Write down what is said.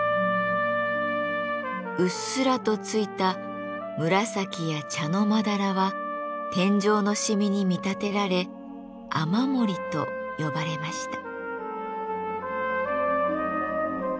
うっすらとついた紫や茶のまだらは天井の染みに見立てられ雨漏と呼ばれました。